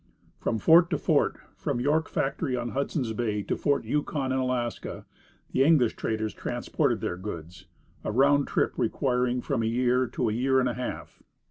From fort to fort, from York Factory on Hudson's Bay to Fort Yukon in Alaska, the English traders transported their goods a round trip requiring from a year to a year and a half.